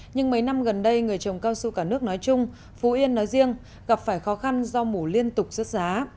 nhưng mấy năm gần đây người trồng cao su cả nước nói chung phú yên nói riêng gặp phải khó khăn do mù liên tục rớt giá